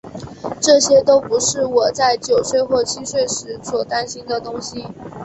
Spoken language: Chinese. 这些都不是我在九岁或七岁时所担心的东西。